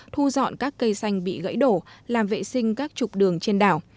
thu dọn các cây xanh bị gãy đổ làm vệ sinh các trục đường trên đảo